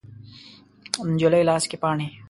د نجلۍ لاس کې پاڼې